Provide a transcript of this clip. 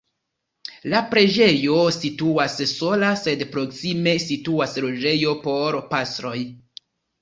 La preĝejo situas sola sed proksime situas loĝejo por pastroj.